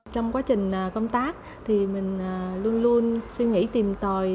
trong quá trình công tác thì mình luôn luôn suy nghĩ tìm tòi